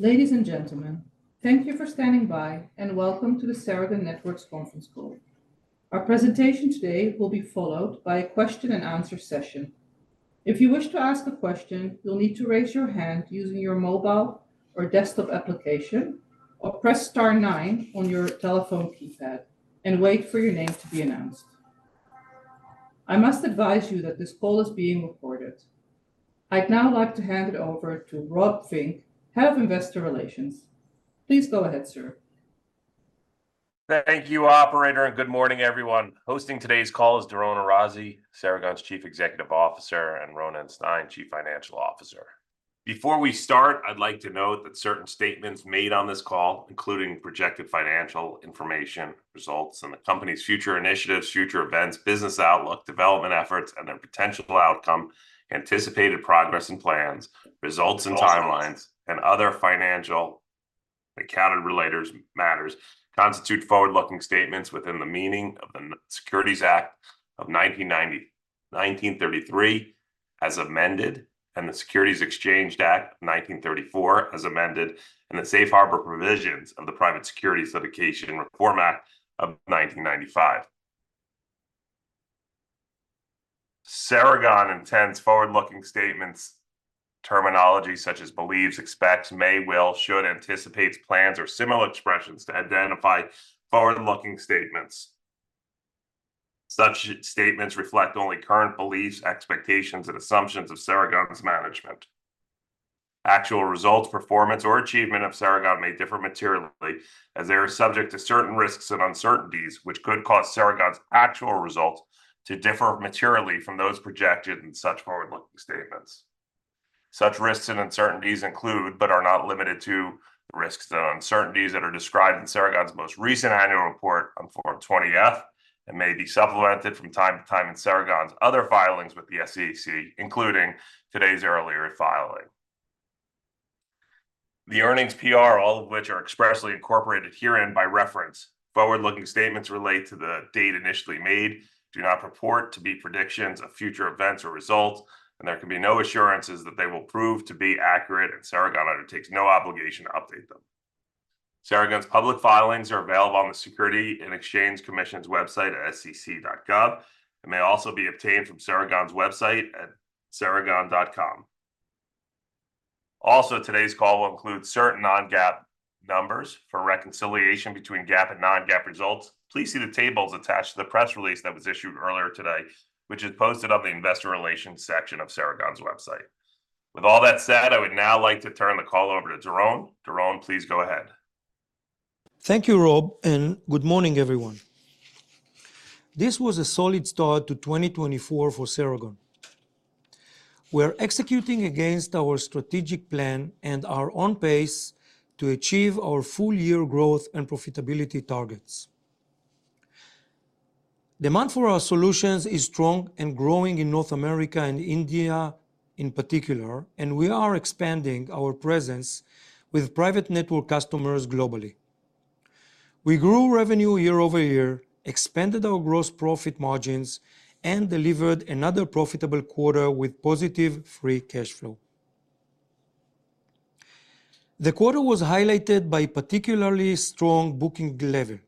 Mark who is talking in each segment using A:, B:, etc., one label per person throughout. A: Ladies and gentlemen, thank you for standing by, and welcome to the Ceragon Networks Conference Call. Our presentation today will be followed by a question and answer session. If you wish to ask a question, you'll need to raise your hand using your mobile or desktop application, or press star nine on your telephone keypad and wait for your name to be announced. I must advise you that this call is being recorded. I'd now like to hand it over to Rob Fink, Head of Investor Relations. Please go ahead, sir.
B: Thank you, operator, and good morning, everyone. Hosting today's call is Doron Arazi, Ceragon's Chief Executive Officer, and Ronen Stein, Chief Financial Officer. Before we start, I'd like to note that certain statements made on this call, including projected financial information, results, and the company's future initiatives, future events, business outlook, development efforts, and their potential outcome, anticipated progress and plans, results and timelines, and other financial accounting related matters, constitute forward-looking statements within the meaning of the Securities Act of 1933, as amended, and the Securities Exchange Act of 1934, as amended, and the safe harbor provisions of the Private Securities Litigation Reform Act of 1995. Ceragon intends forward-looking statements terminology such as believes, expects, may, will, should, anticipates, plans, or similar expressions to identify forward-looking statements. Such statements reflect only current beliefs, expectations, and assumptions of Ceragon's management. Actual results, performance, or achievement of Ceragon may differ materially as they are subject to certain risks and uncertainties, which could cause Ceragon's actual results to differ materially from those projected in such forward-looking statements. Such risks and uncertainties include, but are not limited to, the risks and uncertainties that are described in Ceragon's most recent annual report on Form 20-F, and may be supplemented from time to time in Ceragon's other filings with the SEC, including today's earlier filing. The earnings PR, all of which are expressly incorporated herein by reference. Forward-looking statements relate to the date initially made, do not purport to be predictions of future events or results, and there can be no assurances that they will prove to be accurate, and Ceragon undertakes no obligation to update them. Ceragon's public filings are available on the Securities and Exchange Commission's website at sec.gov and may also be obtained from Ceragon's website at ceragon.com. Also, today's call will include certain non-GAAP numbers. For reconciliation between GAAP and non-GAAP results, please see the tables attached to the press release that was issued earlier today, which is posted on the Investor Relations section of Ceragon's website. With all that said, I would now like to turn the call over to Doron. Doron, please go ahead.
C: Thank you, Rob, and good morning, everyone. This was a solid start to 2024 for Ceragon. We're executing against our strategic plan and are on pace to achieve our full year growth and profitability targets. Demand for our solutions is strong and growing in North America and India in particular, and we are expanding our presence with private network customers globally. We grew revenue year-over-year, expanded our gross profit margins, and delivered another profitable quarter with positive free cash flow. The quarter was highlighted by particularly strong booking level.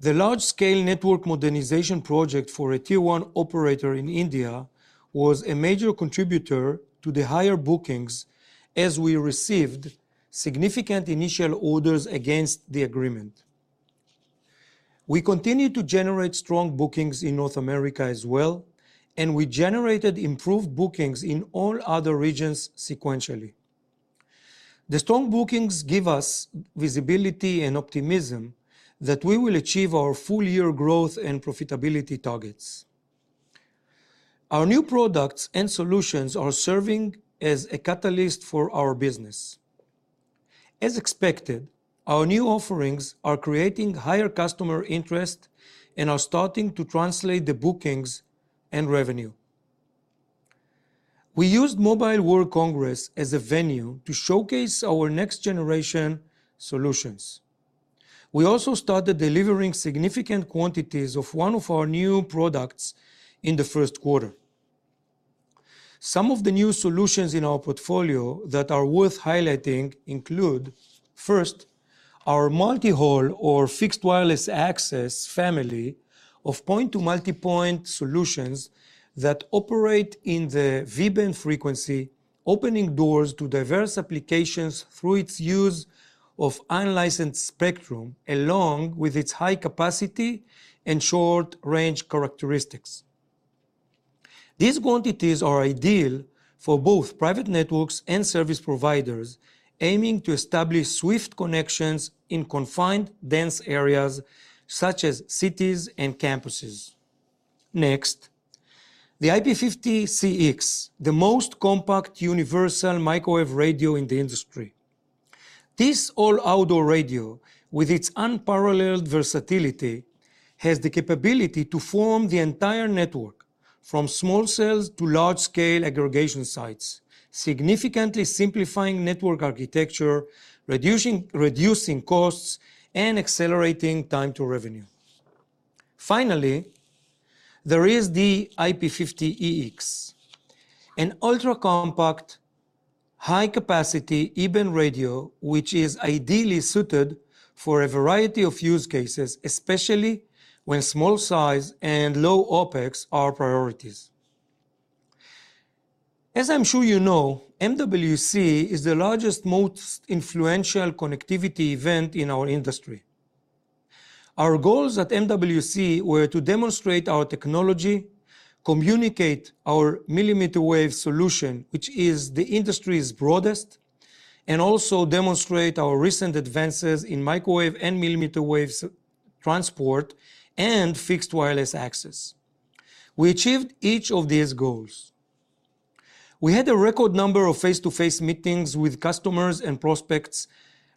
C: The large-scale network modernization project for a Tier 1 operator in India was a major contributor to the higher bookings as we received significant initial orders against the agreement. We continued to generate strong bookings in North America as well, and we generated improved bookings in all other regions sequentially. The strong bookings give us visibility and optimism that we will achieve our full-year growth and profitability targets. Our new products and solutions are serving as a catalyst for our business. As expected, our new offerings are creating higher customer interest and are starting to translate the bookings and revenue. We used Mobile World Congress as a venue to showcase our next-generation solutions. We also started delivering significant quantities of one of our new products in the first quarter. Some of the new solutions in our portfolio that are worth highlighting include, first, our MultiHaul or fixed wireless access family of point-to-multipoint solutions that operate in the V-Band frequency, opening doors to diverse applications through its use of unlicensed spectrum, along with its high capacity and short-range characteristics. These quantities are ideal for both private networks and service providers aiming to establish swift connections in confined, dense areas such as cities and campuses. Next, the IP-50CX, the most compact universal microwave radio in the industry. This all outdoor radio, with its unparalleled versatility, has the capability to form the entire network, from small cells to large-scale aggregation sites, significantly simplifying network architecture, reducing costs, and accelerating time to revenue. Finally, there is the IP-50EX, an ultra-compact, high-capacity E-Band radio, which is ideally suited for a variety of use cases, especially when small size and low OPEX are priorities. As I'm sure you know, MWC is the largest, most influential connectivity event in our industry. Our goals at MWC were to demonstrate our technology, communicate our millimeter wave solution, which is the industry's broadest, and also demonstrate our recent advances in microwave and millimeter wave transport, and fixed wireless access. We achieved each of these goals. We had a record number of face-to-face meetings with customers and prospects,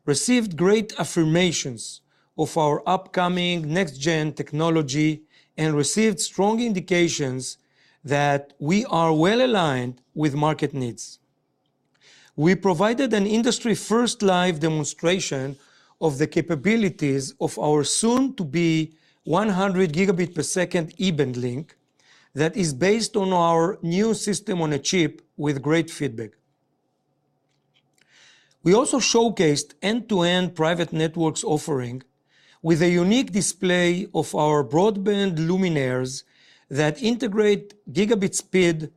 C: received great affirmations of our upcoming next-gen technology, and received strong indications that we are well aligned with market needs. We provided an industry-first live demonstration of the capabilities of our soon-to-be 100 Gbps E-Band link that is based on our new system-on-a-chip with great feedback. We also showcased end-to-end private networks offering, with a unique display of our broadband luminaires that integrate gigabit speed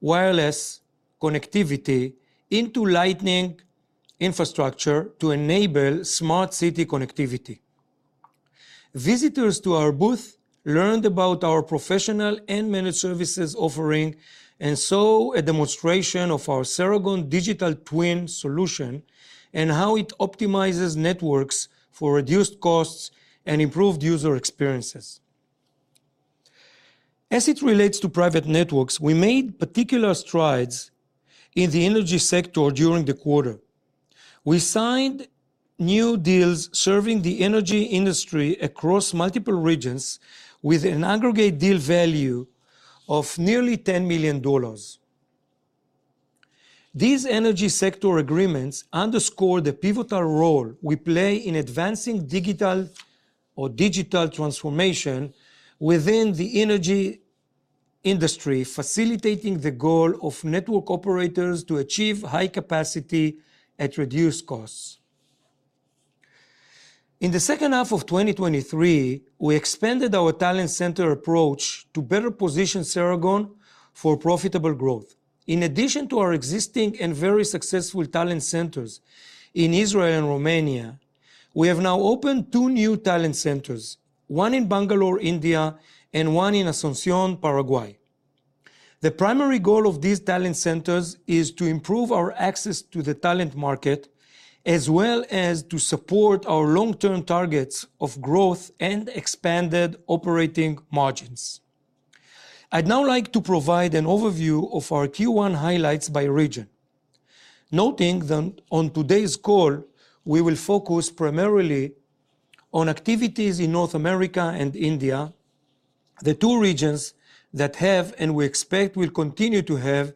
C: wireless connectivity into lighting infrastructure to enable smart city connectivity. Visitors to our booth learned about our professional and managed services offering, and saw a demonstration of our Ceragon Digital Twin solution and how it optimizes networks for reduced costs and improved user experiences. As it relates to private networks, we made particular strides in the energy sector during the quarter. We signed new deals serving the energy industry across multiple regions, with an aggregate deal value of nearly $10 million. These energy sector agreements underscore the pivotal role we play in advancing digital or digital transformation within the energy industry, facilitating the goal of network operators to achieve high capacity at reduced costs. In the second half of 2023, we expanded our talent center approach to better position Ceragon for profitable growth. In addition to our existing and very successful talent centers in Israel and Romania, we have now opened two new talent centers, one in Bangalore, India, and one in Asunción, Paraguay. The primary goal of these talent centers is to improve our access to the talent market, as well as to support our long-term targets of growth and expanded operating margins. I'd now like to provide an overview of our Q1 highlights by region, noting that on today's call, we will focus primarily on activities in North America and India, the two regions that have, and we expect will continue to have,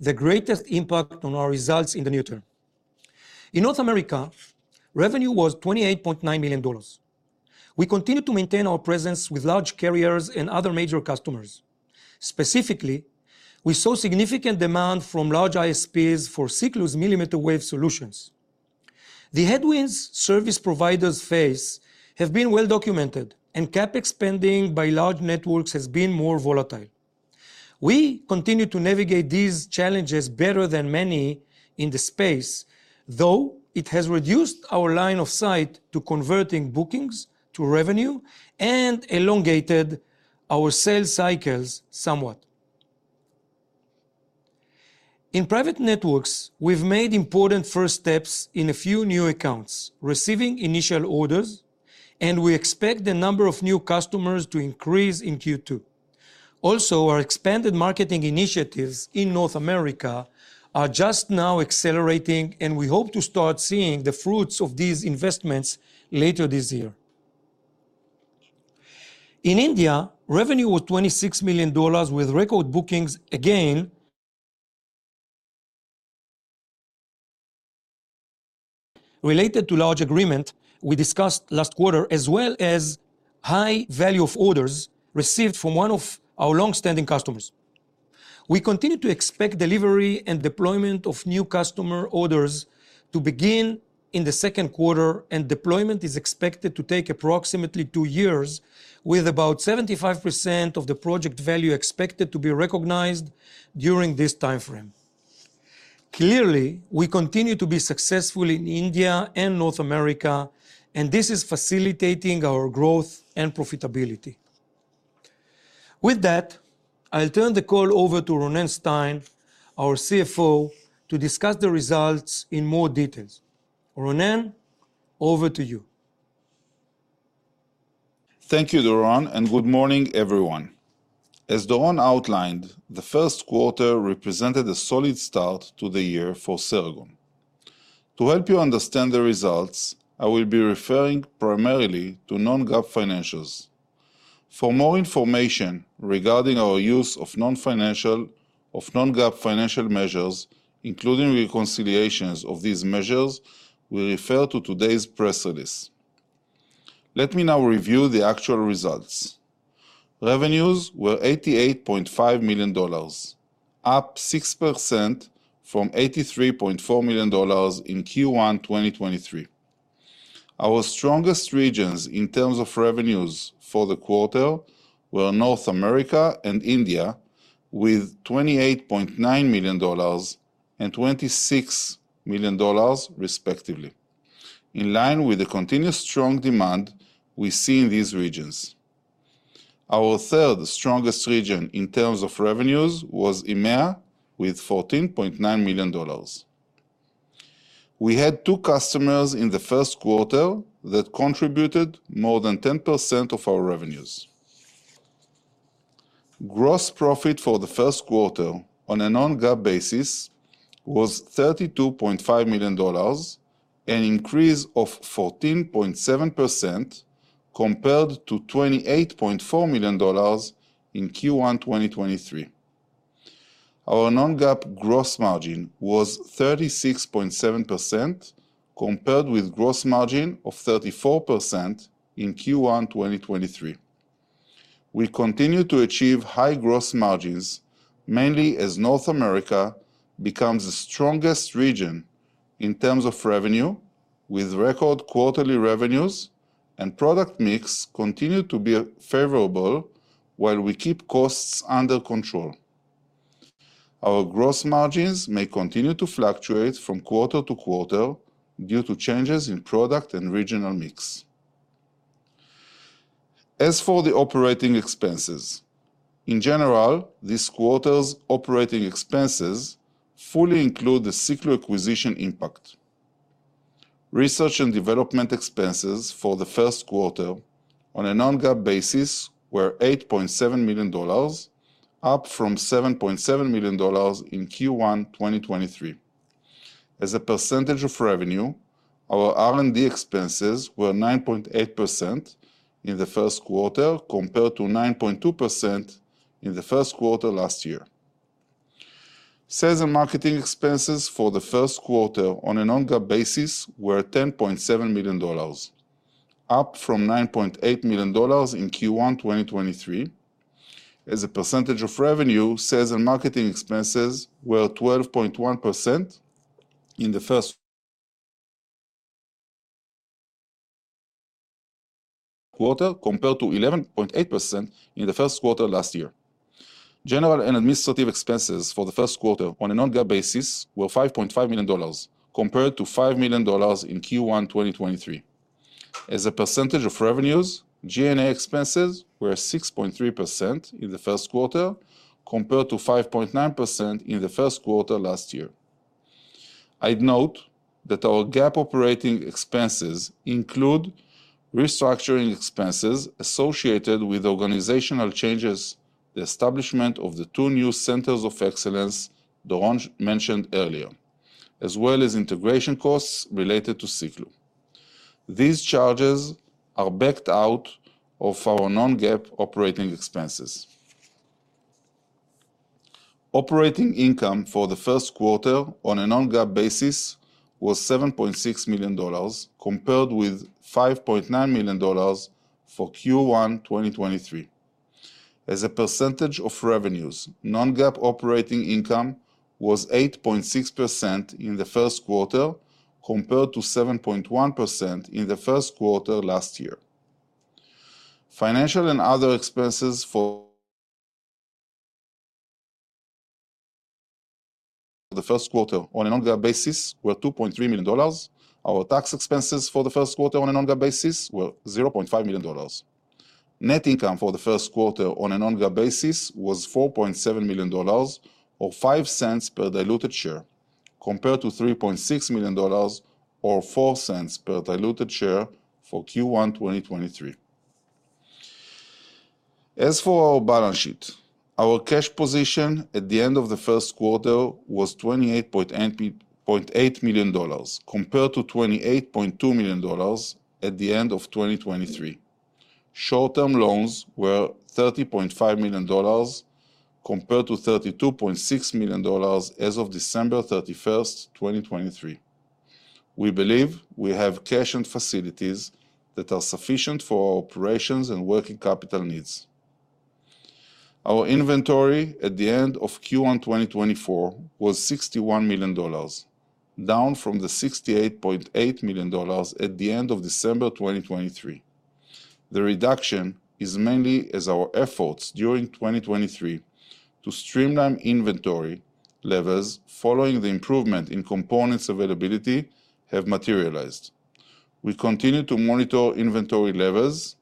C: the greatest impact on our results in the near term. In North America, revenue was $28.9 million. We continue to maintain our presence with large carriers and other major customers. Specifically, we saw significant demand from large ISPs for Siklu's millimeter wave solutions. The headwinds service providers face have been well documented, and CapEx spending by large networks has been more volatile. We continue to navigate these challenges better than many in the space, though it has reduced our line of sight to converting bookings to revenue and elongated our sales cycles somewhat. In private networks, we've made important first steps in a few new accounts, receiving initial orders, and we expect the number of new customers to increase in Q2. Also, our expanded marketing initiatives in North America are just now accelerating, and we hope to start seeing the fruits of these investments later this year. In India, revenue was $26 million, with record bookings again, related to large agreement we discussed last quarter, as well as high value of orders received from one of our long-standing customers. We continue to expect delivery and deployment of new customer orders to begin in the second quarter, and deployment is expected to take approximately two years, with about 75% of the project value expected to be recognized during this timeframe. Clearly, we continue to be successful in India and North America, and this is facilitating our growth and profitability. With that, I'll turn the call over to Ronen Stein, our CFO, to discuss the results in more details. Ronen, over to you.
D: Thank you, Doron, and good morning, everyone. As Doron outlined, the first quarter represented a solid start to the year for Ceragon. To help you understand the results, I will be referring primarily to non-GAAP financials. For more information regarding our use of non-GAAP financial measures, including reconciliations of these measures, we refer to today's press release. Let me now review the actual results. Revenues were $88.5 million, up 6% from $83.4 million in Q1 2023. Our strongest regions in terms of revenues for the quarter were North America and India, with $28.9 million and $26 million, respectively, in line with the continuous strong demand we see in these regions. Our third strongest region in terms of revenues was EMEA, with $14.9 million. We had two customers in the first quarter that contributed more than 10% of our revenues. Gross profit for the first quarter on a non-GAAP basis was $32.5 million, an increase of 14.7% compared to $28.4 million in Q1 2023. Our non-GAAP gross margin was 36.7%, compared with gross margin of 34% in Q1 2023. We continue to achieve high gross margins, mainly as North America becomes the strongest region in terms of revenue, with record quarterly revenues and product mix continue to be favorable, while we keep costs under control. Our gross margins may continue to fluctuate from quarter to quarter due to changes in product and regional mix. As for the operating expenses, in general, this quarter's operating expenses fully include the Siklu acquisition impact. Research and development expenses for the first quarter on a non-GAAP basis were $8.7 million, up from $7.7 million in Q1 2023. As a percentage of revenue, our R&D expenses were 9.8% in the first quarter, compared to 9.2% in the first quarter last year. Sales and marketing expenses for the first quarter on a non-GAAP basis were $10.7 million, up from $9.8 million in Q1 2023. As a percentage of revenue, sales and marketing expenses were 12.1% in the first quarter, compared to 11.8% in the first quarter last year. General and administrative expenses for the first quarter on a non-GAAP basis were $5.5 million, compared to $5 million in Q1 2023. As a percentage of revenues, G&A expenses were 6.3% in the first quarter, compared to 5.9% in the first quarter last year. I'd note that our GAAP operating expenses include restructuring expenses associated with organizational changes, the establishment of the two new centers of excellence Doron mentioned earlier, as well as integration costs related to Siklu. These charges are backed out of our non-GAAP operating expenses. Operating income for the first quarter on a non-GAAP basis was $7.6 million, compared with $5.9 million for Q1 2023. As a percentage of revenues, non-GAAP operating income was 8.6% in the first quarter, compared to 7.1% in the first quarter last year. Financial and other expenses for the first quarter on a non-GAAP basis were $2.3 million. Our tax expenses for the first quarter on a non-GAAP basis were $0.5 million. Net income for the first quarter on a non-GAAP basis was $4.7 million, or $0.05 per diluted share, compared to $3.6 million or $0.04 per diluted share for Q1 2023. As for our balance sheet, our cash position at the end of the first quarter was $28.8 million, compared to $28.2 million at the end of 2023. Short-term loans were $30.5 million, compared to $32.6 million as of December 31st, 2023. We believe we have cash and facilities that are sufficient for our operations and working capital needs. Our inventory at the end of Q1 2024 was $61 million, down from the $68.8 million at the end of December 2023. The reduction is mainly as our efforts during 2023 to streamline inventory levels following the improvement in components availability have materialized. We continue to monitor inventory levels,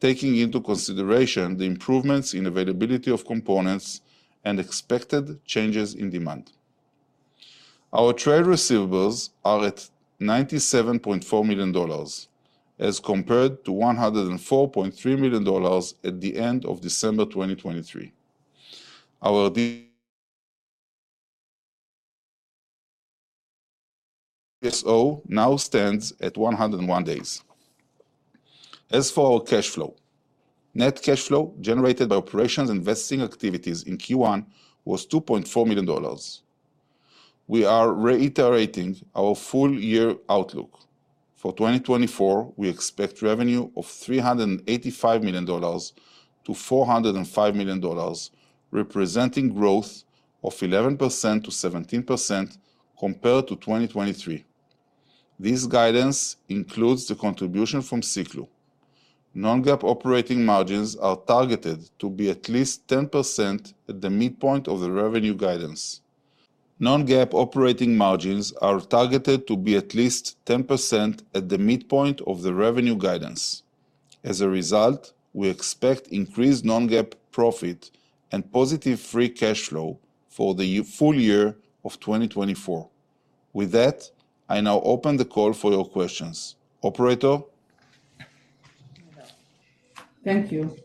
D: taking into consideration the improvements in availability of components and expected changes in demand. Our trade receivables are at $97.4 million, as compared to $104.3 million at the end of December 2023. Our de-... DSO now stands at 101 days. As for our cash flow, net cash flow generated by operations investing activities in Q1 was $2.4 million. We are reiterating our full year outlook. For 2024, we expect revenue of $385 million-$405 million, representing growth of 11%-17% compared to 2023. This guidance includes the contribution from Siklu. Non-GAAP operating margins are targeted to be at least 10% at the midpoint of the revenue guidance. Non-GAAP operating margins are targeted to be at least 10% at the midpoint of the revenue guidance. As a result, we expect increased non-GAAP profit and positive free cash flow for the full year of 2024. With that, I now open the call for your questions. Operator?
A: Thank you.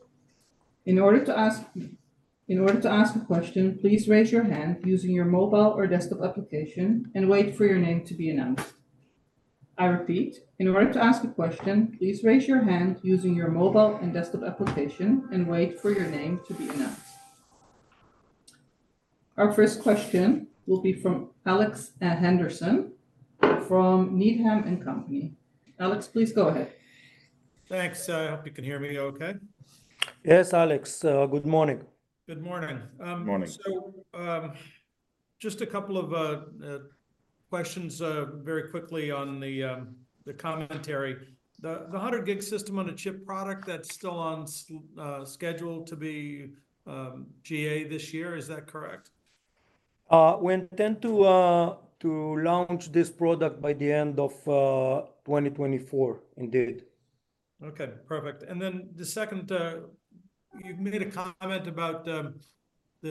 A: In order to ask a question, please raise your hand using your mobile or desktop application and wait for your name to be announced. I repeat, in order to ask a question, please raise your hand using your mobile and desktop application and wait for your name to be announced. Our first question will be from Alex Henderson from Needham & Company. Alex, please go ahead.
E: Thanks. I hope you can hear me okay.
C: Yes, Alex, good morning.
E: Good morning.
D: Good morning.
E: So, just a couple of questions, very quickly on the commentary. The 100 gig system on a chip product that's still on schedule to be GA this year, is that correct?
C: We intend to launch this product by the end of 2024, indeed.
E: Okay, perfect. And then the second, you made a comment about the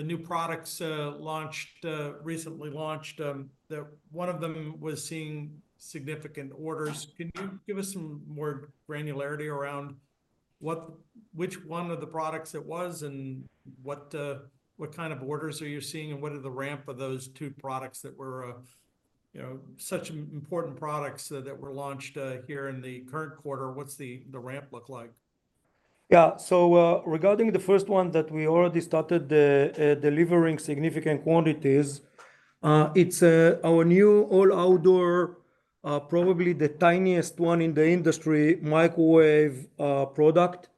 E: new products launched recently launched that one of them was seeing significant orders. Can you give us some more granularity around what... Which one of the products it was, and what, what kind of orders are you seeing, and what are the ramp of those two products that were, you know, such important products that were launched here in the current quarter? What's the ramp look like?
C: Yeah. So, regarding the first one that we already started delivering significant quantities, it's our new all outdoor, probably the tiniest one in the industry, microwave product,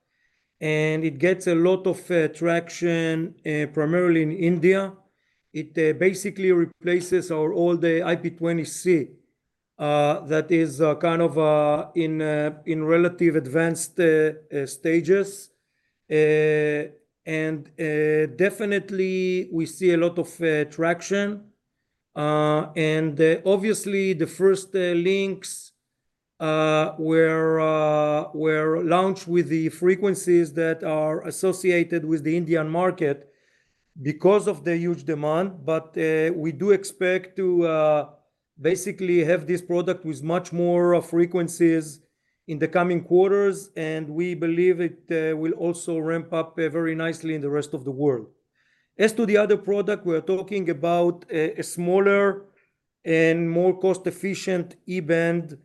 C: and it gets a lot of traction, primarily in India. It basically replaces our old IP-20C, that is kind of in relative advanced stages. And definitely we see a lot of traction. And obviously, the first links were launched with the frequencies that are associated with the Indian market because of the huge demand. But we do expect to basically have this product with much more frequencies in the coming quarters, and we believe it will also ramp up very nicely in the rest of the world. As to the other product, we are talking about a smaller and more cost-efficient E-Band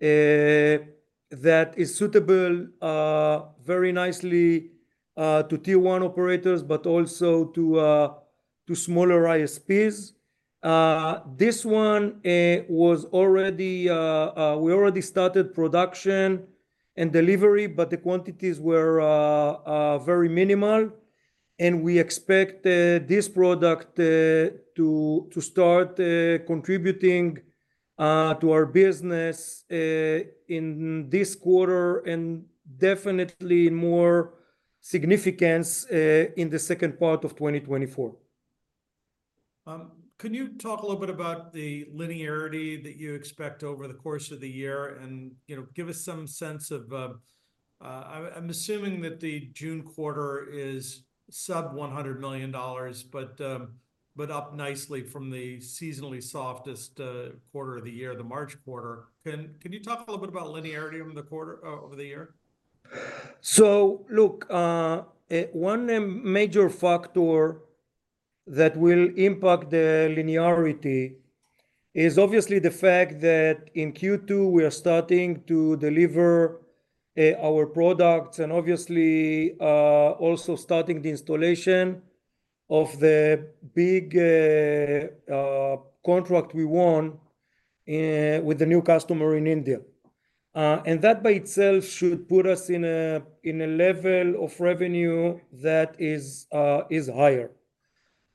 C: that is suitable very nicely to Tier 1 operators, but also to smaller ISPs. This one was already... We already started production and delivery, but the quantities were very minimal, and we expect this product to start contributing to our business in this quarter and definitely more significance in the second part of 2024.
E: Can you talk a little bit about the linearity that you expect over the course of the year and, you know, give us some sense of, I'm assuming that the June quarter is sub-$100 million, but up nicely from the seasonally softest quarter of the year, the March quarter. Can you talk a little bit about linearity over the quarter, over the year?
C: So look, one major factor that will impact the linearity is obviously the fact that in Q2, we are starting to deliver, our products and obviously, also starting the installation of the big, contract we won, with the new customer in India. And that by itself should put us in a,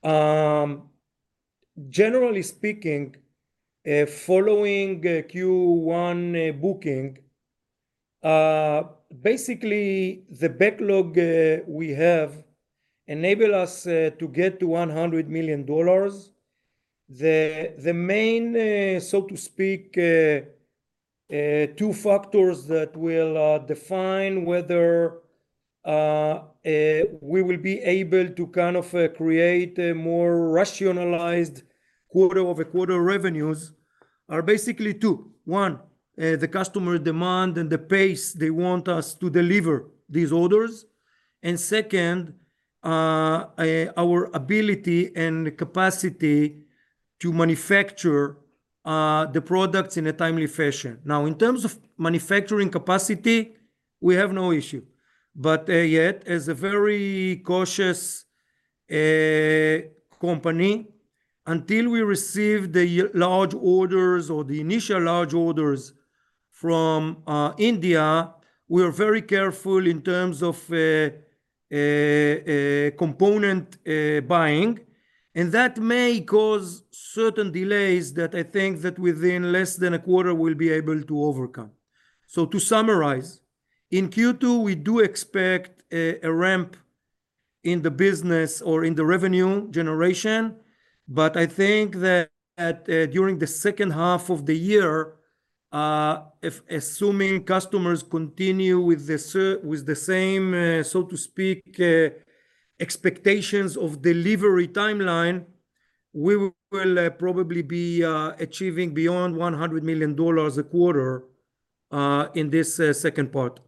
C: in a level of revenue that is, is higher. Generally speaking, following a Q1 booking, basically the backlog, we have enabled us, to get to $100 million. The, the main, so to speak, two factors that will, define whether, we will be able to kind of, create a more rationalized quarter-over-quarter revenues are basically two. One, the customer demand and the pace they want us to deliver these orders.... and second, our ability and capacity to manufacture the products in a timely fashion. Now, in terms of manufacturing capacity, we have no issue, but yet as a very cautious company, until we receive the large orders or the initial large orders from India, we are very careful in terms of component buying, and that may cause certain delays that I think that within less than a quarter we'll be able to overcome. So to summarize, in Q2, we do expect a ramp in the business or in the revenue generation, but I think that during the second half of the year, if assuming customers continue with the same, so to speak, expectations of delivery timeline, we will probably be achieving beyond $100 million a quarter, in this second part.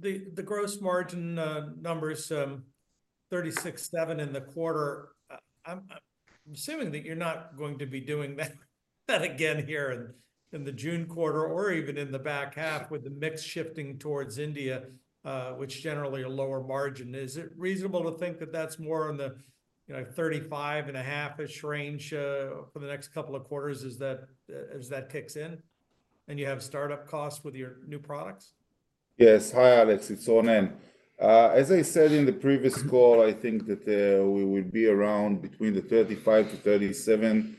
E: The gross margin numbers, 36.7% in the quarter, I'm assuming that you're not going to be doing that again here in the June quarter or even in the back half with the mix shifting towards India, which generally a lower margin. Is it reasonable to think that that's more on the, you know, 35.5%-ish range for the next couple of quarters as that kicks in, and you have startup costs with your new products?
D: Yes. Hi, Alex, it's Ronen. As I said in the previous call, I think that we will be around between 35%-37%.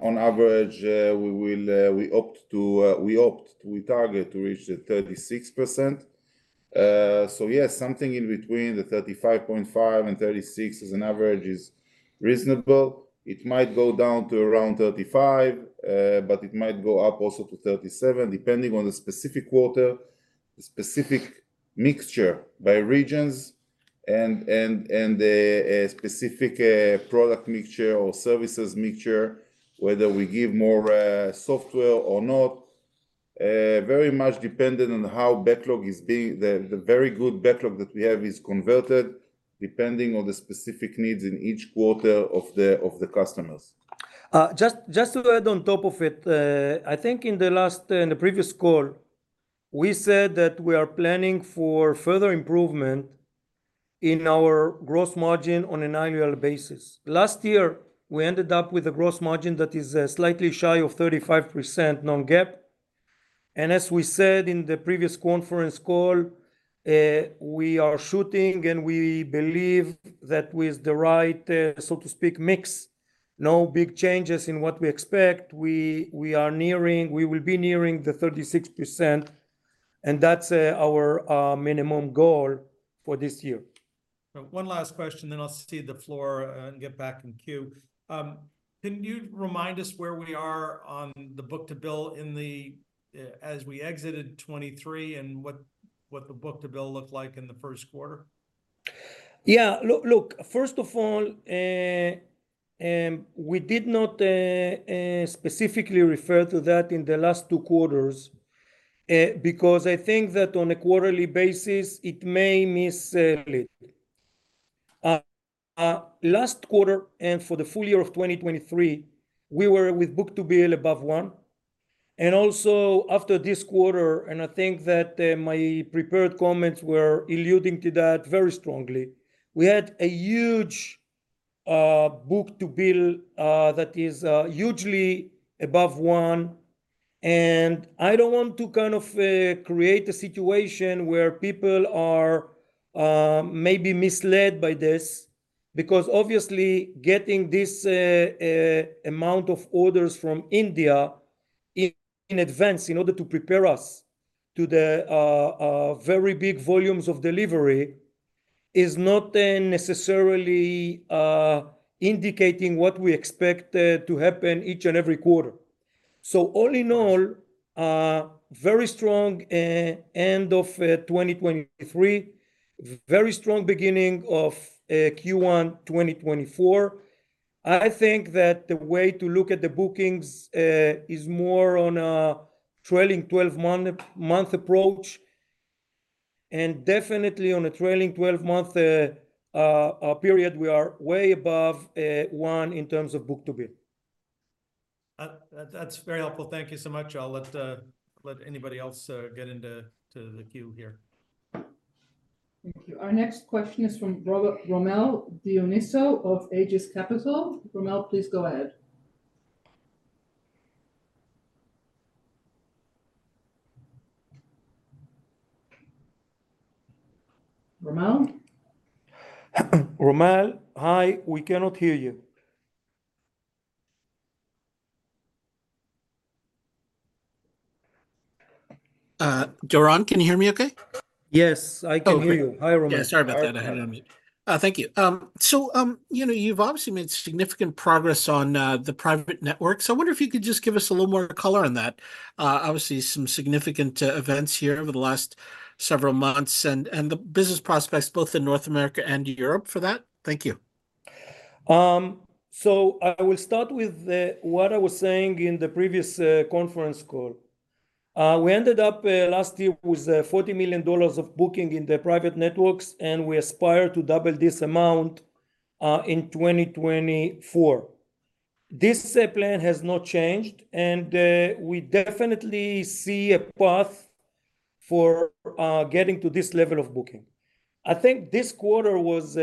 D: On average, we target to reach the 36%. So yes, something in between the 35.5% and 36% as an average is reasonable. It might go down to around 35%, but it might go up also to 37%, depending on the specific quarter, the specific mixture by regions and, and, and the specific product mixture or services mixture, whether we give more software or not. Very much dependent on how the very good backlog that we have is being converted, depending on the specific needs in each quarter of the customers.
C: Just, just to add on top of it, I think in the last, in the previous call, we said that we are planning for further improvement in our gross margin on an annual basis. Last year, we ended up with a gross margin that is, slightly shy of 35% non-GAAP. And as we said in the previous conference call, we are shooting, and we believe that with the right, so to speak, mix, no big changes in what we expect. We, we are nearing, we will be nearing the 36%, and that's, our, minimum goal for this year.
E: One last question, then I'll cede the floor and get back in queue. Can you remind us where we are on the book-to-bill in the, as we exited 2023 and what, what the book-to-bill looked like in the first quarter?
C: Yeah. Look, look, first of all, we did not specifically refer to that in the last two quarters because I think that on a quarterly basis, it may mislead. Last quarter and for the full year of 2023, we were with book-to-bill above one. And also after this quarter, and I think that my prepared comments were alluding to that very strongly. We had a huge book-to-bill that is hugely above 1, and I don't want to kind of create a situation where people are maybe misled by this. Because obviously, getting this amount of orders from India in advance in order to prepare us to the very big volumes of delivery is not necessarily indicating what we expect to happen each and every quarter. So all in all, very strong end of 2023. Very strong beginning of Q1 2024. I think that the way to look at the bookings is more on a trailing 12-month month approach, and definitely on a trailing twelve-month period, we are way above one in terms of book-to-bill.
E: That's very helpful. Thank you so much. I'll let anybody else get into the queue here.
A: Thank you. Our next question is from Rommel Dionisio of Aegis Capital. Rommel, please go ahead. Rommel?
D: Rommel, hi, we cannot hear you.
F: Doron, can you hear me okay?
C: Yes, I can hear you.
F: Oh, great.
C: Hi, Rommel.
F: Yeah, sorry about that. I had on mute. Thank you. So, you know, you've obviously made significant progress on the private network. So I wonder if you could just give us a little more color on that. Obviously, some significant events here over the last several months and the business prospects both in North America and Europe for that. Thank you....
C: So I will start with what I was saying in the previous conference call. We ended up last year with $40 million of booking in the private networks, and we aspire to double this amount in 2024. This plan has not changed, and we definitely see a path for getting to this level of booking. I think this quarter was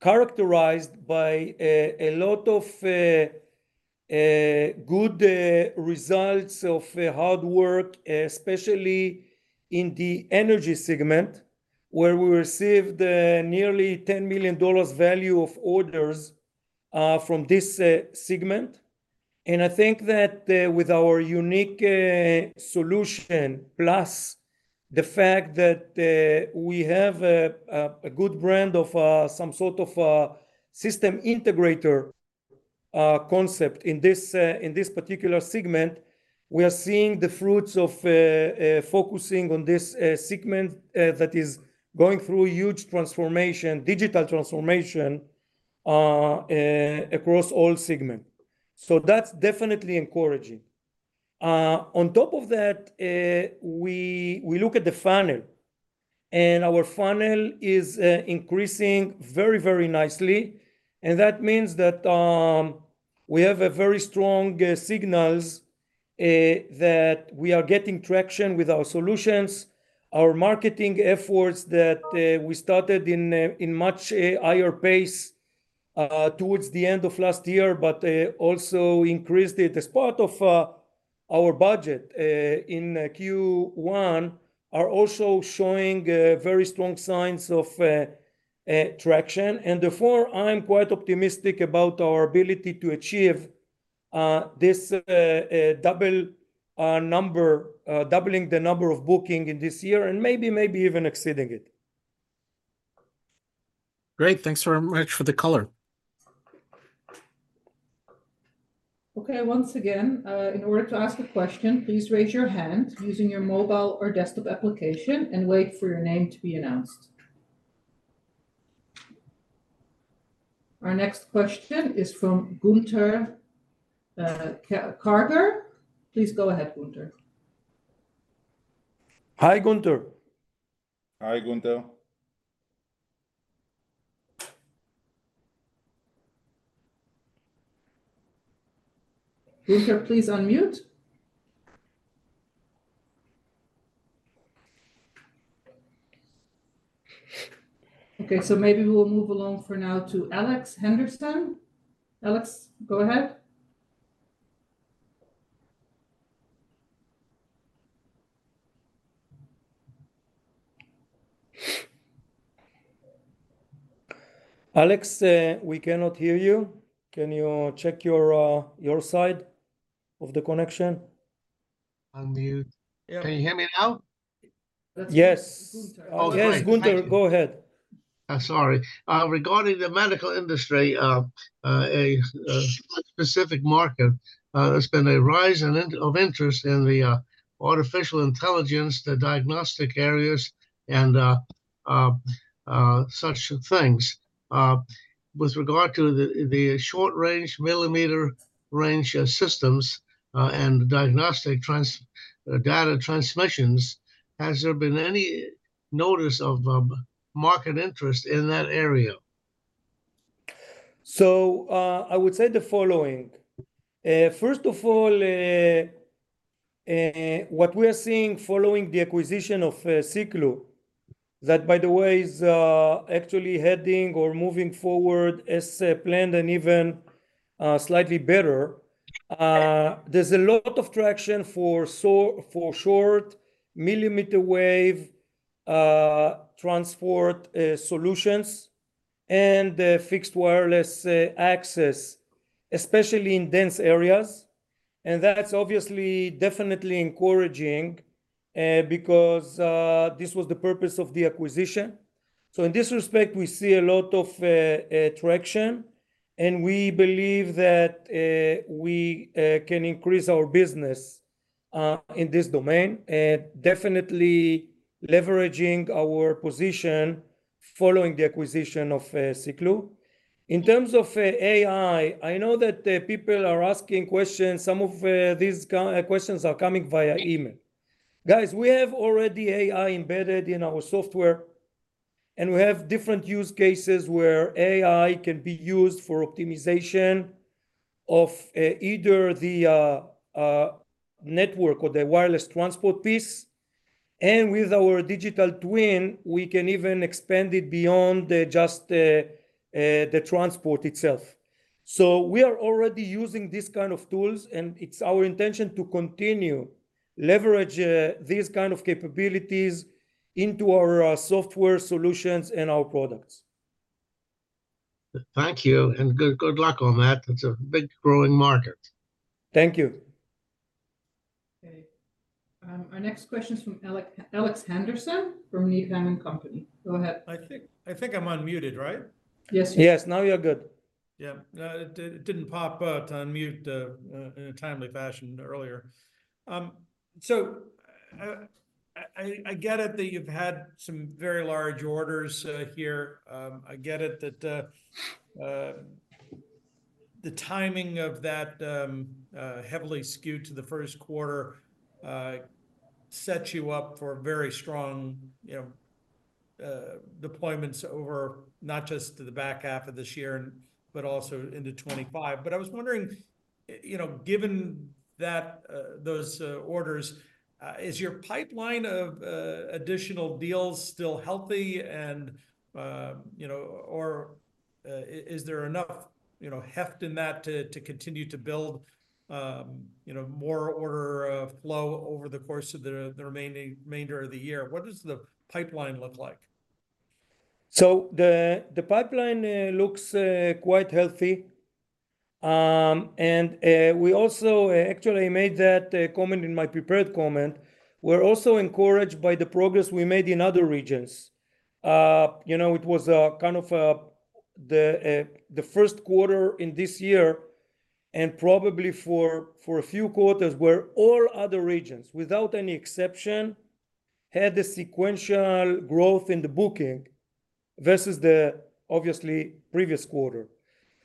C: characterized by a lot of good results of hard work, especially in the energy segment, where we received nearly $10 million value of orders from this segment. I think that with our unique solution, plus the fact that we have a good brand of some sort of a system integrator concept in this particular segment, we are seeing the fruits of focusing on this segment that is going through a huge transformation, digital transformation, across all segment, so that's definitely encouraging. On top of that, we look at the funnel, and our funnel is increasing very, very nicely, and that means that we have very strong signals that we are getting traction with our solutions. Our marketing efforts that we started in a much higher pace towards the end of last year, but also increased it as part of our budget in Q1, are also showing very strong signs of traction. And therefore, I'm quite optimistic about our ability to achieve this doubling the number of booking in this year and maybe even exceeding it.
F: Great, thanks very much for the color.
A: Okay, once again, in order to ask a question, please raise your hand using your mobile or desktop application and wait for your name to be announced. Our next question is from Gunther Karger. Please go ahead, Gunther.
D: Hi, Gunther.
C: Hi, Gunther.
A: Gunther, please unmute. Okay, so maybe we'll move along for now to Alex Henderson. Alex, go ahead.
C: Alex, we cannot hear you. Can you check your, your side of the connection?
G: Unmute.
C: Yeah.
G: Can you hear me now?
C: Yes.
A: That's Gunther.
C: Yes, Gunther-
G: Oh, great. Thank you.
C: Go ahead.
G: Sorry. Regarding the medical industry, a specific market, there's been a rise in interest in the artificial intelligence, the diagnostic areas, and such things. With regard to the short-range millimeter range systems and diagnostic data transmissions, has there been any notice of market interest in that area?
C: So, I would say the following: first of all, what we are seeing following the acquisition of Siklu, that, by the way, is actually heading or moving forward as planned and even slightly better. There's a lot of traction for short millimeter wave transport solutions and fixed wireless access, especially in dense areas, and that's obviously definitely encouraging, because this was the purpose of the acquisition. So in this respect, we see a lot of traction, and we believe that we can increase our business in this domain definitely leveraging our position following the acquisition of Siklu. In terms of AI, I know that the people are asking questions. Some of these questions are coming via email. Guys, we have already AI embedded in our software, and we have different use cases where AI can be used for optimization of either the network or the wireless transport piece, and with our Digital Twin, we can even expand it beyond just the transport itself. So we are already using these kind of tools, and it's our intention to continue leverage these kind of capabilities into our software solutions and our products.
G: Thank you, and good, good luck on that. It's a big, growing market.
C: Thank you.
A: Okay. Our next question is from Alex, Alex Henderson from Needham & Company. Go ahead.
E: I think, I think I'm unmuted, right?
A: Yes.
C: Yes, now you're good....
E: Yeah. No, it did, it didn't pop up to unmute in a timely fashion earlier. So, I get it that you've had some very large orders here. I get it that the timing of that heavily skewed to the first quarter sets you up for a very strong, you know, deployments over not just to the back half of this year and, but also into 2025. But I was wondering, you know, given that, those orders, is your pipeline of additional deals still healthy? And, you know, or, is there enough, you know, heft in that to continue to build, you know, more order flow over the course of the remainder of the year? What does the pipeline look like?
C: So the pipeline looks quite healthy. And we also actually made that comment in my prepared comment. We're also encouraged by the progress we made in other regions. You know, it was kind of the first quarter in this year, and probably for a few quarters, where all other regions, without any exception, had a sequential growth in the booking versus the obviously previous quarter.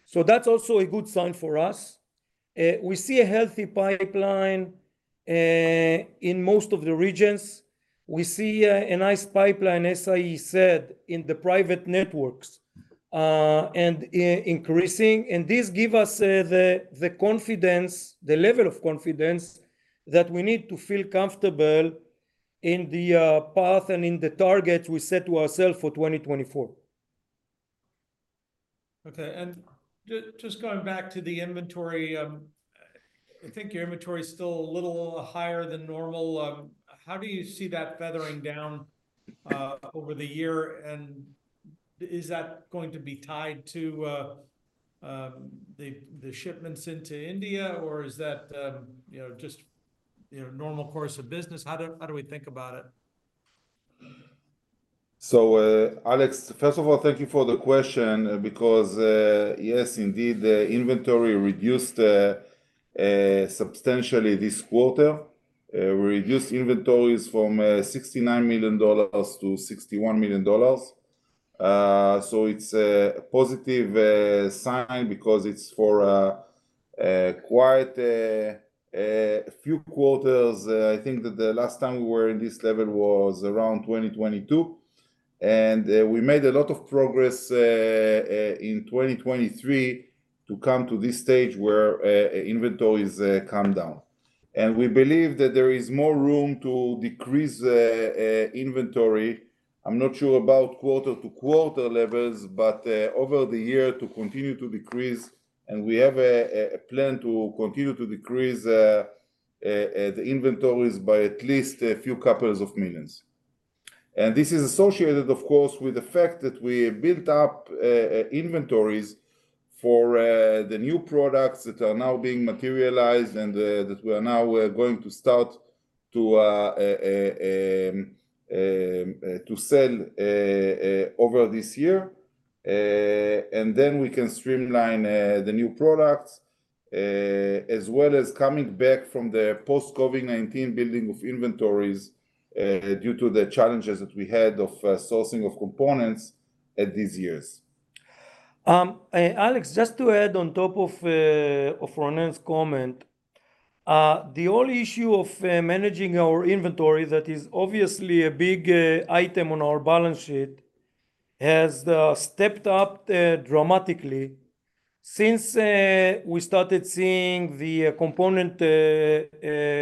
C: So that's also a good sign for us. We see a healthy pipeline in most of the regions. We see a nice pipeline, as I said, in the private networks and increasing, and this give us the confidence, the level of confidence that we need to feel comfortable in the path and in the targets we set to ourself for 2024.
E: Okay, and just going back to the inventory, I think your inventory is still a little higher than normal. How do you see that feathering down over the year, and is that going to be tied to the shipments into India, or is that, you know, just, you know, normal course of business? How do we think about it?
D: So, Alex, first of all, thank you for the question, because, yes, indeed, the inventory reduced substantially this quarter. We reduced inventories from $69 million to $61 million. So it's a positive sign because it's for quite a few quarters. I think that the last time we were in this level was around 2022, and we made a lot of progress in 2023 to come to this stage where inventory is come down. And we believe that there is more room to decrease the inventory. I'm not sure about quarter-to-quarter levels, but over the year, to continue to decrease, and we have a plan to continue to decrease the inventories by at least a few couples of millions. This is associated, of course, with the fact that we built up inventories for the new products that are now being materialized and that we are now going to start to sell over this year. Then we can streamline the new products as well as coming back from the post-COVID-19 building of inventories due to the challenges that we had of sourcing of components at these years.
C: Alex, just to add on top of of Ronen's comment, the only issue of managing our inventory that is obviously a big item on our balance sheet has stepped up dramatically since we started seeing the component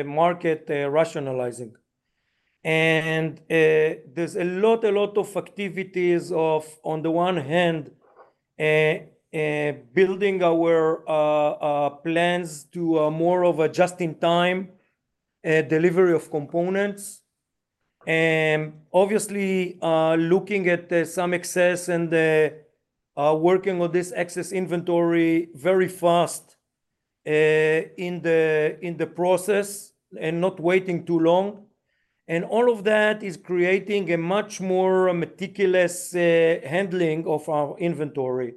C: market rationalizing. There's a lot, a lot of activities of, on the one hand, building our plans to more of a just-in-time delivery of components, and obviously looking at some excess and working on this excess inventory very fast in the process, and not waiting too long. All of that is creating a much more meticulous handling of our inventory.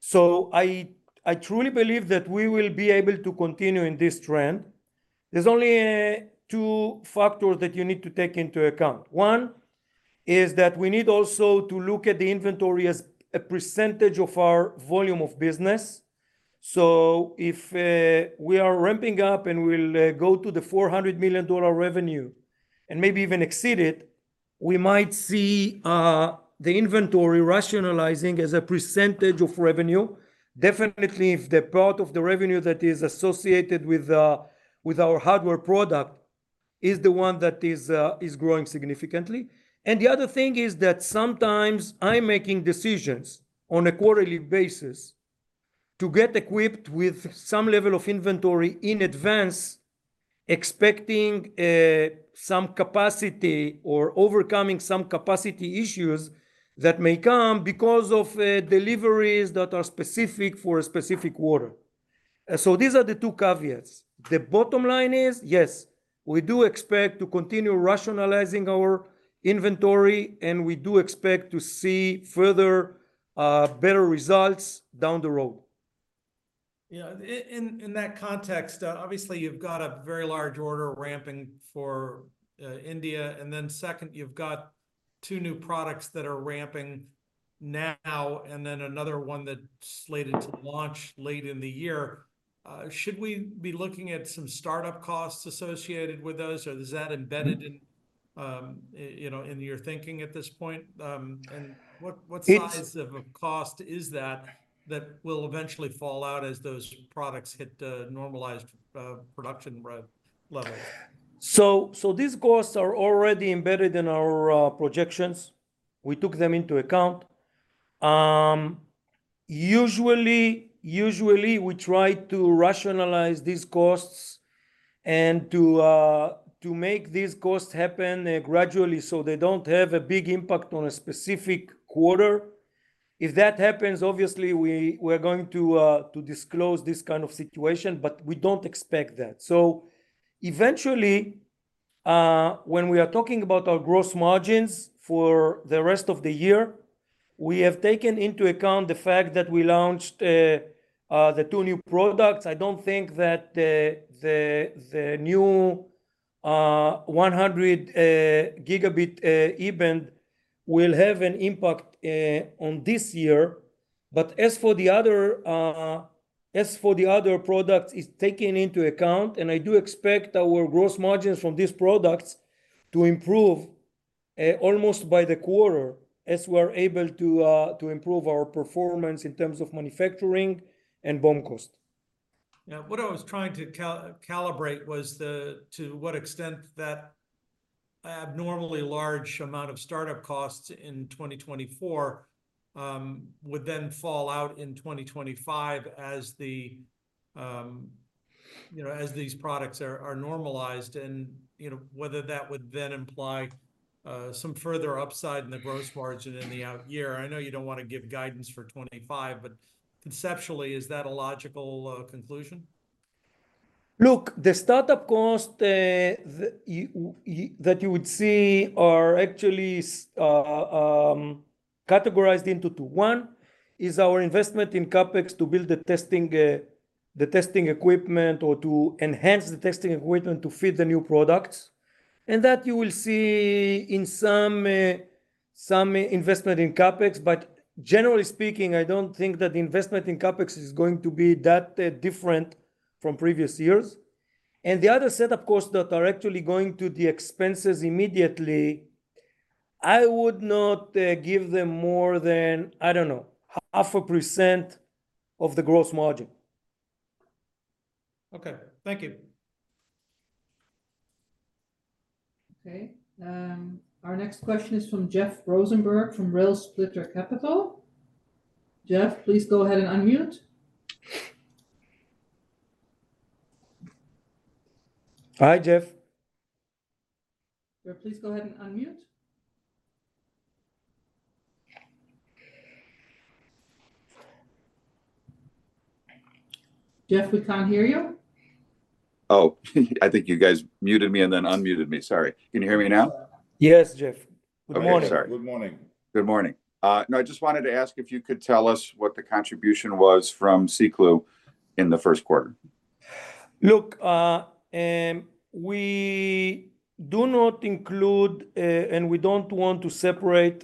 C: So I, I truly believe that we will be able to continue in this trend. There's only two factors that you need to take into account. One is that we need also to look at the inventory as a percentage of our volume of business. So if we are ramping up and we'll go to the $400 million revenue, and maybe even exceed it, we might see the inventory rationalizing as a percentage of revenue. Definitely, if the part of the revenue that is associated with our hardware product is the one that is growing significantly. And the other thing is that sometimes I'm making decisions on a quarterly basis to get equipped with some level of inventory in advance, expecting some capacity or overcoming some capacity issues that may come because of deliveries that are specific for a specific order. So these are the two caveats. The bottom line is, yes, we do expect to continue rationalizing our inventory, and we do expect to see further, better results down the road.
E: Yeah, in that context, obviously you've got a very large order ramping for India, and then second, you've got two new products that are ramping now, and then another one that's slated to launch late in the year. Should we be looking at some startup costs associated with those, or is that embedded- Mm... in, you know, in your thinking at this point? And what-
C: It's-
E: What size of a cost is that, that will eventually fall out as those products hit the normalized production levels?
C: These costs are already embedded in our projections. We took them into account. Usually, we try to rationalize these costs and to make these costs happen gradually, so they don't have a big impact on a specific quarter. If that happens, obviously, we're going to disclose this kind of situation, but we don't expect that. Eventually, when we are talking about our gross margins for the rest of the year, we have taken into account the fact that we launched the two new products. I don't think that the new 100 Gb E-Band will have an impact on this year. As for the other products, it's taken into account, and I do expect our gross margins from these products to improve almost by the quarter, as we are able to to improve our performance in terms of manufacturing and BOM cost.
E: Yeah. What I was trying to calibrate was the, to what extent that abnormally large amount of start-up costs in 2024 would then fall out in 2025, as the, you know, as these products are normalized and, you know, whether that would then imply some further upside in the gross margin in the out year. I know you don't want to give guidance for 2025, but conceptually, is that a logical conclusion?
C: Look, the start-up cost that you would see are actually categorized into two. One, is our investment in CapEx to build the testing equipment, or to enhance the testing equipment to fit the new products, and that you will see in some investment in CapEx. But generally speaking, I don't think that the investment in CapEx is going to be that different from previous years. And the other set of costs that are actually going to the expenses immediately, I would not give them more than, I don't know, 0.5% of the gross margin.
E: Okay. Thank you.
A: Okay, our next question is from Jeff Rosenberg, from Rail-Splitter Capital. Jeff, please go ahead and unmute.
C: Hi, Jeff.
A: Jeff, please go ahead and unmute. Jeff, we can't hear you.
H: Oh, I think you guys muted me and then unmuted me. Sorry. Can you hear me now?
C: Yes, Jeff. Good morning.
H: Okay. Sorry.
D: Good morning.
H: Good morning. No, I just wanted to ask if you could tell us what the contribution was from Siklu in the first quarter?
C: Look, we do not include, and we don't want to separate,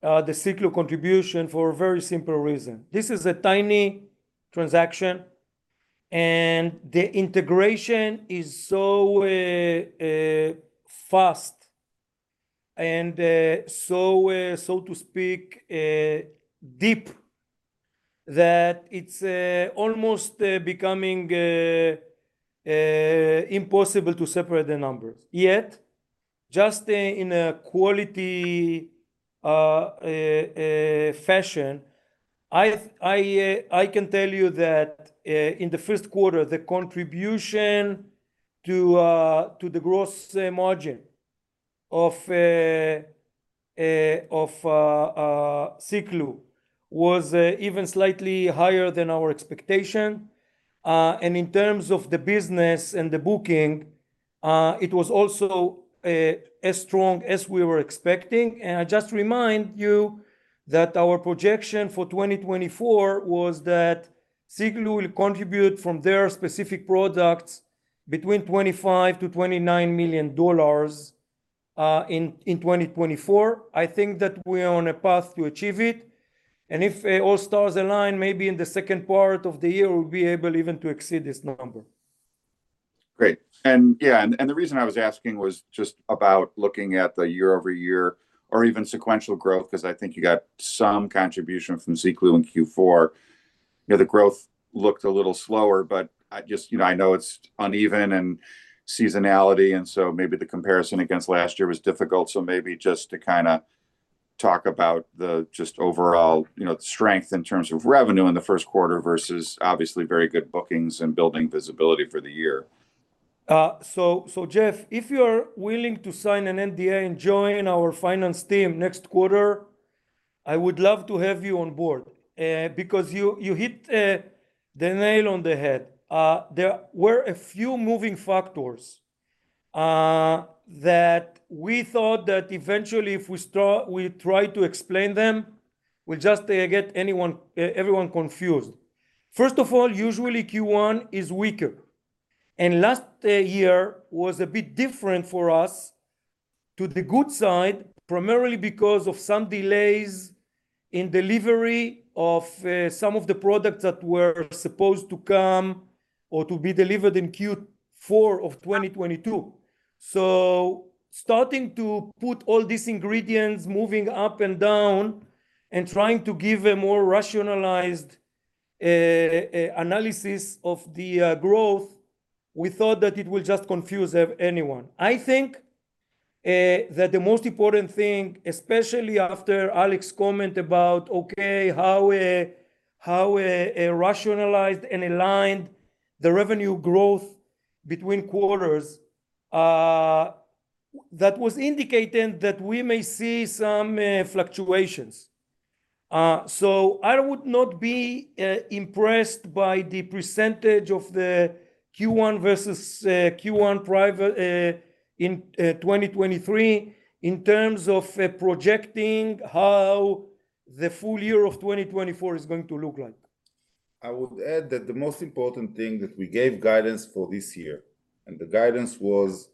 C: the Siklu contribution for a very simple reason. This is a tiny transaction, and the integration is so fast and so deep, so to speak, that it's almost becoming impossible to separate the numbers. Yet, just in a qualitative fashion, I can tell you that, in the first quarter, the contribution to the gross margin of Siklu was even slightly higher than our expectation. And in terms of the business and the booking, it was also as strong as we were expecting. I just remind you that our projection for 2024 was that Siklu will contribute from their specific products between $25 million-$29 million in 2024. I think that we are on a path to achieve it, and if all stars align, maybe in the second part of the year, we'll be able even to exceed this number.
H: Great. And yeah, and, and the reason I was asking was just about looking at the year-over-year or even sequential growth, 'cause I think you got some contribution from Siklu in Q4. You know, the growth looked a little slower, but I just... You know, I know it's uneven and seasonality, and so maybe the comparison against last year was difficult. So maybe just to kinda talk about the, just overall, you know, the strength in terms of revenue in the first quarter versus obviously very good bookings and building visibility for the year.
C: So, Jeff, if you are willing to sign an NDA and join our finance team next quarter, I would love to have you on board, because you hit the nail on the head. There were a few moving factors that we thought that eventually if we try to explain them, we just get anyone, everyone confused. First of all, usually Q1 is weaker, and last year was a bit different for us to the good side, primarily because of some delays in delivery of some of the products that were supposed to come or to be delivered in Q4 of 2022. So starting to put all these ingredients, moving up and down, and trying to give a more rationalized analysis of the growth, we thought that it will just confuse anyone. I think that the most important thing, especially after Alex comment about, okay, how a rationalized and aligned the revenue growth between quarters, that was indicating that we may see some fluctuations. So I would not be impressed by the percentage of the Q1 versus Q1 prior in 2023, in terms of projecting how the full year of 2024 is going to look like.
D: I would add that the most important thing that we gave guidance for this year, and the guidance was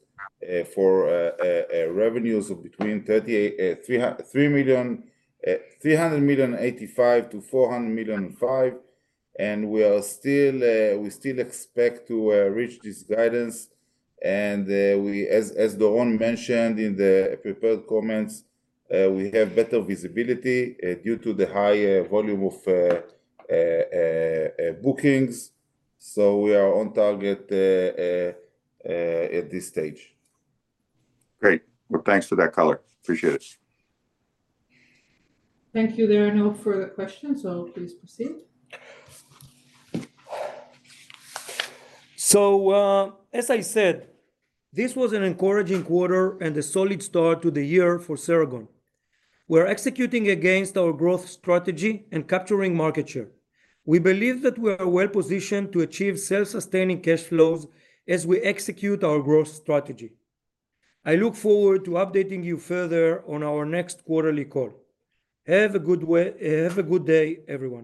D: for revenues of between $385 million-$405 million, and we are still, we still expect to reach this guidance. And we, as Doron mentioned in the prepared comments, we have better visibility due to the high volume of bookings. So we are on target at this stage.
H: Great! Well, thanks for that color. Appreciate it.
A: Thank you. There are no further questions, so please proceed.
C: So, as I said, this was an encouraging quarter and a solid start to the year for Ceragon. We're executing against our growth strategy and capturing market share. We believe that we are well positioned to achieve self-sustaining cash flows as we execute our growth strategy. I look forward to updating you further on our next quarterly call. Have a good day, everyone.